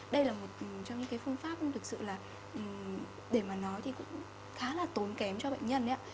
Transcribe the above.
đây là một trong những cái phương pháp thực sự là để mà nói thì cũng khá là tốn kém cho bệnh nhân